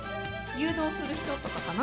誘導する人とかかな。